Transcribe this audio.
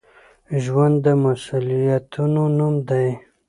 ژوند د مسؤليتونو نوم دی.